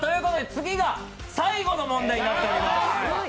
次が最後の問題となっております。